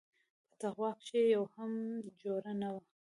په تقوا کښې يې هم جوړه نه وه.